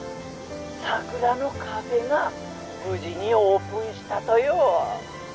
さくらのカフェが無事にオープンしたとよ。